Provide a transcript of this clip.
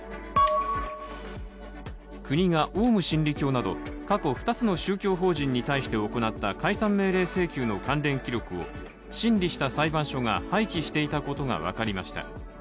国がオウム真理教など過去２つの宗教法人に対して行った解散命令請求の関連記録を、審理した裁判所が廃棄していたことが分かりました。